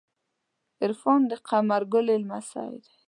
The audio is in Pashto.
عرفان د قمر ګلی لمسۍ ده.